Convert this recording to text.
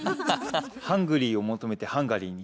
ハングリーを求めてハンガリーに。